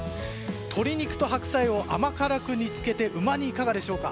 鶏肉と白菜を甘辛く煮付けてうま煮、いかがでしょうか。